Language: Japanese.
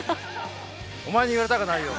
お前に言われたかないよ。